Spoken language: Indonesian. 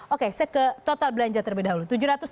oke saya ke total belanja terlebih dahulu